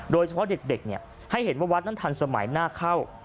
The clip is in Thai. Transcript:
โดยเฉพาะเด็กให้เห็นว่าวัดนั้นทันสมัยหน้าเข้า